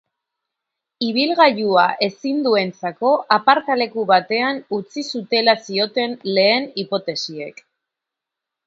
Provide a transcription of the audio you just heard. Ibilgailua ezinduentzako aparkaleku batean utzi zutela zioten lehen hipotesiek.